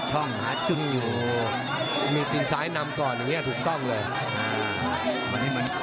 ช่องหาจุนอยู่มีตีนซ้ายนำก่อนอย่างนี้ถูกต้องเลย